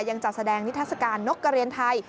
ยังจัดแสดงนิทัศกาลนกกระเรียนไทย